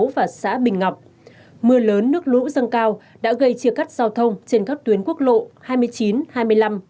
và xã bình ngọc mưa lớn nước lũ dâng cao đã gây chia cắt giao thông trên các tuyến quốc lộ hai mươi chín